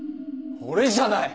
俺じゃない！